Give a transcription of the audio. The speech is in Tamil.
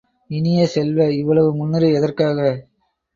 இனிய செல்வ, இவ்வளவு முன்னுரை எதற்காக?